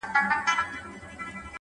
هره پوښتنه د پوهې دروازه ده,